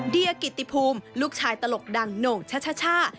เดียกิติภูมิลูกชายตลกดังโหน่งชช่า